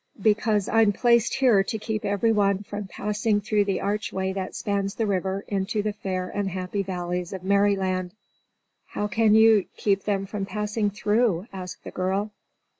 "Because I'm placed here to keep everyone from passing through the archway that spans the river into the fair and happy valleys of Merryland." "How can you keep them from passing through?" asked the girl.